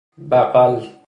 بقل